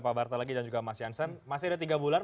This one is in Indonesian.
pak barta lagi dan juga mas jansen masih ada tiga bulan